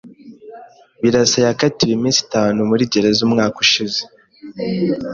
Birasa yakatiwe iminsi itanu muri gereza umwaka ushize